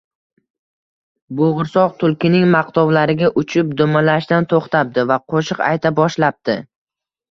Bo’g’irsoq tulkining maqtovlariga uchib, dumalashdan to’xtabdi va qo’shiq ayta boshlabdi: